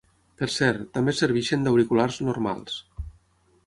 Per cert, també serveixen d’auriculars ‘normals’.